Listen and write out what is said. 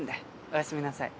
おやすみなさい。